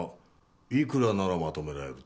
いくらならまとめられると？